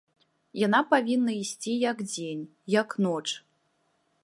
Яна павінна ісці як дзень, як ноч.